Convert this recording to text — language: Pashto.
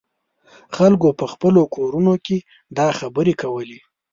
خلکو په خپلو کورونو کې دا خبرې کولې.